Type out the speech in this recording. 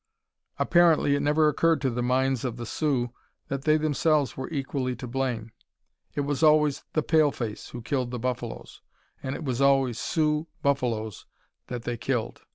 Apparently it never occurred to the minds of the Sioux that they themselves were equally to blame; it was always the paleface who killed the buffaloes; and it was always Sioux buffaloes that they killed.